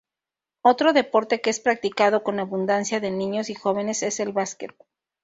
Otro deporte que es practicado con abundancia de niños y jóvenes es el basquet.